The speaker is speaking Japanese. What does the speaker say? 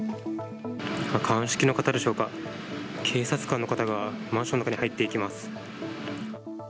鑑識の方でしょうか、警察官の方がマンションの中に入っていきます。